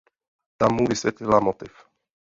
Ta mu vysvětlila motiv.